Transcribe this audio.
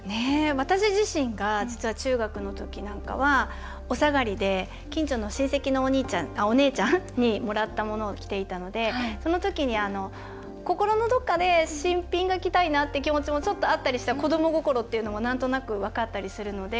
私自身が実は中学のときなんかは、お下がりで近所の親戚のお姉ちゃんにもらったものを着ていたのでそのときに心のどっかで新品が着たいなって気持ちもちょっとあったりした子ども心っていうのもなんとなく分かったりするので。